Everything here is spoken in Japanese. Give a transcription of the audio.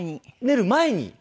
寝る前に？